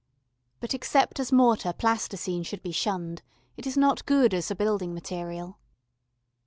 But except as mortar Plasticine should be shunned. It is not good as a building material.